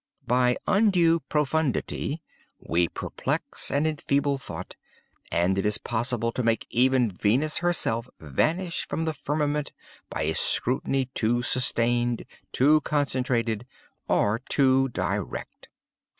By undue profundity we perplex and enfeeble thought; and it is possible to make even Venus herself vanish from the firmament by a scrutiny too sustained, too concentrated, or too direct.